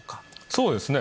そうですね。